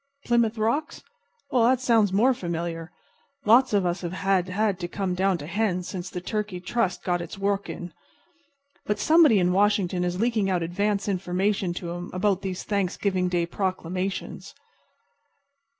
Plymouth Rocks? Well, that sounds more familiar. Lots of us have had to come down to hens since the Turkey Trust got its work in. But somebody in Washington is leaking out advance information to 'em about these Thanksgiving proclamations.